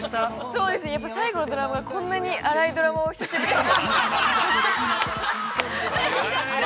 ◆そうですね、最後のドラマ、こんなに粗いドラマを久しぶりに。